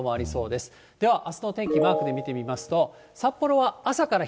では、あすの天気、マークで見てみますと、９度？